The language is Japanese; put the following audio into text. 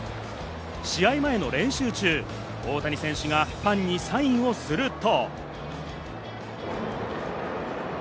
試合前の練習中、大谷選手がファンにサインをすると。